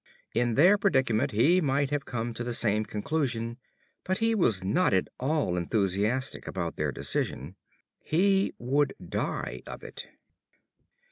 In their predicament he might have come to the same conclusion; but he was not at all enthusiastic about their decision. He would die of it.